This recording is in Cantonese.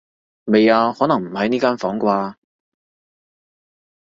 未啊，可能唔喺呢間房啩